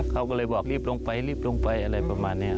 เขาก็เลยบอกรีบลงไปรีบลงไปอะไรประมาณนี้